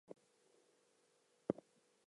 General Thomas Green.